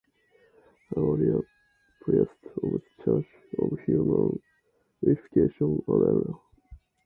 A Warrior Priest of the Church of Human Unification on Erna.